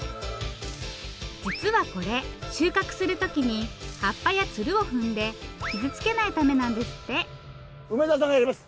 実はこれ収穫する時に葉っぱやツルを踏んで傷つけないためなんですって梅沢さんがやります。